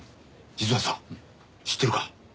実はさ知ってるか？